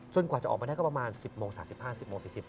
กว่าจะออกมาได้ก็ประมาณ๑๐โมง๓๕๐โมง๔๐